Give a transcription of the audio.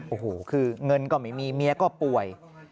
โอ้โหคือเงินก็ไม่มีเมียก็ป่วย